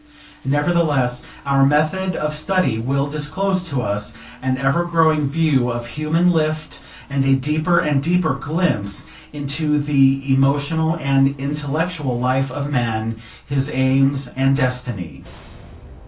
Nevertheless our method of study will disclose to us an ever growing view of human lift, and a deeper and deeper glimpse into the emotional and intellectual life of man, his aims and destiny.